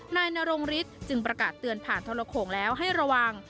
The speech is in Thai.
นายนรงฤทธิจึงประกาศเตือนผ่านทรโขงแล้วให้ระวัง